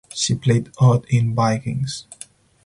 She played Aud in "Vikings".